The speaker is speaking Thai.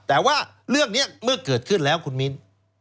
แต่ว่าเรื่องนี้เมื่อเกิดขึ้นแล้วคุณมิ้น